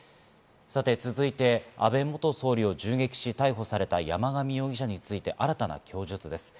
続いて安倍元総理を銃撃し逮捕された山上容疑者について新たな供述です。